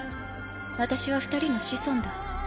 私は二人の子孫だ。